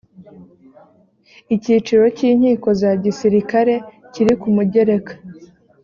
icyiciro cy’ inkiko za gisirikare kiri ku mugereka